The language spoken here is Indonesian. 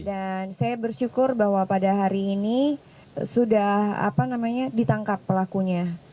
dan saya bersyukur bahwa pada hari ini sudah ditangkap pelakunya